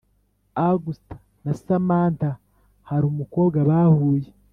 august na samantha harumukobwa bahuye